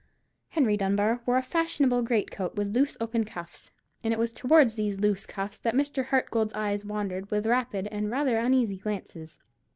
Henry Dunbar wore a fashionable greatcoat with loose open cuffs, and it was towards these loose cuffs that Mr. Hartgold's eyes wandered with rapid and rather uneasy glances.